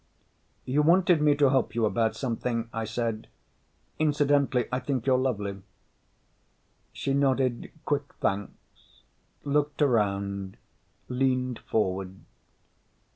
"You wanted me to help you about something," I said. "Incidentally, I think you're lovely." She nodded quick thanks, looked around, leaned forward.